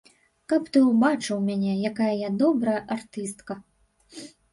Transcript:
Каб ты ўбачыў мяне, якая я добрая артыстка.